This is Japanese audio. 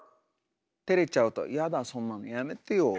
てれちゃうと「やだそんなのやめてよ」。